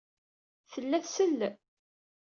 Tella tsell.